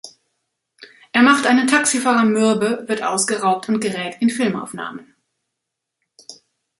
Er macht einen Taxifahrer mürbe, wird ausgeraubt und gerät in Filmaufnahmen.